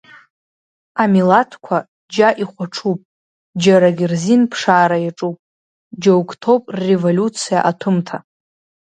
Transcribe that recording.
Амилаҭқәа џьа ихәаҽуп, џьарагь рзин ԥшаара иаҿуп, џьоук ҭоуп рреволиуциа аҭәымҭа!